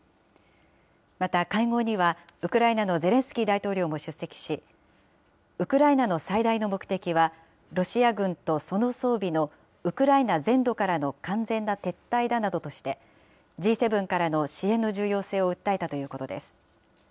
また会合には、ウクライナのゼレンスキー大統領も出席し、ウクライナの最大の目的は、ロシア軍とその装備のウクライナ全土からの完全な撤退だなどとして、Ｇ７からの支援の重要性を訴えたということです。